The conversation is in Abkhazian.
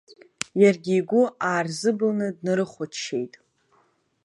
Иаргьы игәы аарзыбылны днарыхәаччеит.